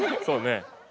そうね。